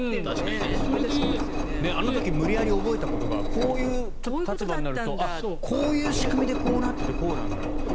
あの時無理やり覚えたことがこういう立場になるとこういう仕組みでこうなっていてこうなんだという。